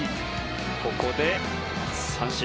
ここで三振。